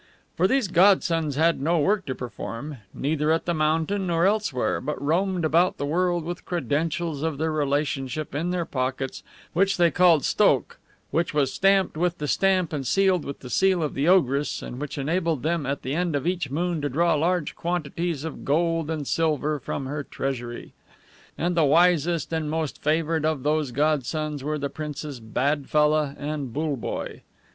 For these godsons had no work to perform, neither at the mountain nor elsewhere, but roamed about the world with credentials of their relationship in their pockets, which they called STOKH, which was stamped with the stamp and sealed with the seal of the ogress, and which enabled them at the end of each moon to draw large quantities of gold and silver from her treasury. And the wisest and most favored of those godsons were the Princes BADFELLAH and BULLEBOYE.